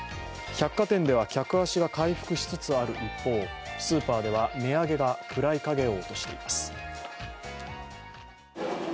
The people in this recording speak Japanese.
百貨店では客足が回復しつつある一方スーパーでは値上げが暗い影を落としています。